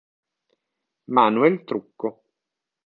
Manuel Trucco